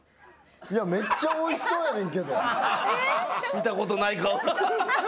見たことない顔だ。